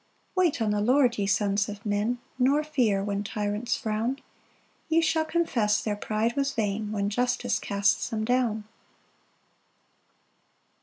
4 Wait on the Lord, ye sons of men, Nor fear when tyrants frown; Ye shall confess their pride was vain, When justice casts them down.